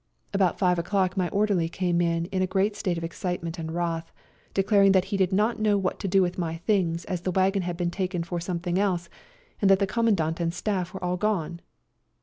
About five o'clock my orderly came in in a great state of excite ment and wrath, declaring that he did not know what to do with my things as the wagon had been taken for something else, and that the Commandant and staff were all gone.